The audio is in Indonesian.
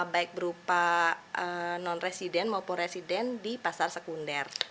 baik berupa non resident maupun resident di pasar sekunder